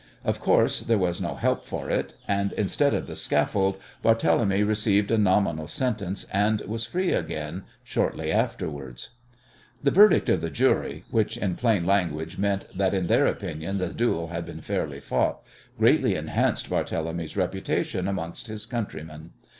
Of course, there was no help for it, and instead of the scaffold Barthélemy received a nominal sentence, and was free again shortly afterwards. The verdict of the jury which in plain language meant that, in their opinion, the duel had been fairly fought greatly enhanced Barthélemy's reputation amongst his countrymen.